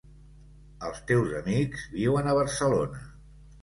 Els teus amics viuen a Barcelona.